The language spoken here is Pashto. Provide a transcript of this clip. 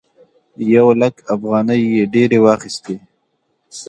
یو لک افغانۍ یې ډېرې واخيستې.